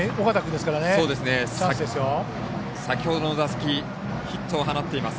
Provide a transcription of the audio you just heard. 先ほどの打席ヒットを放っています。